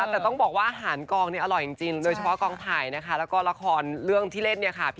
จัดหนักซะละเกินนะครับ